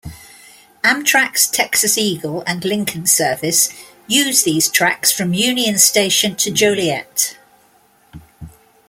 Amtrak's "Texas Eagle" and "Lincoln Service" use these tracks from Union Station to Joliet.